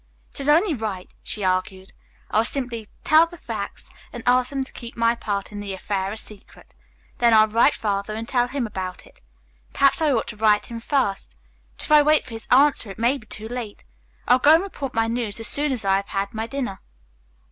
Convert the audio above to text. "It is only right," she argued. "I will simply tell them the facts and ask them to keep my part in the affair a secret. Then I'll write Father and tell him about it. Perhaps I ought to write him first. But if I wait for his answer it may be too late. I'll go and report my news as soon as I have had my dinner."